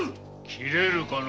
斬れるかな。